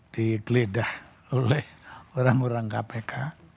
digeledah oleh orang orang kpk